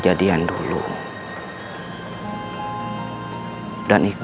tadi itu persidangan terakhir